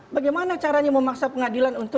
bagaimana caranya memaksa pengadilan untuk